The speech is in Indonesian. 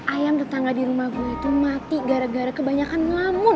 ayam tetangga di rumah gue itu mati gara gara kebanyakan lamun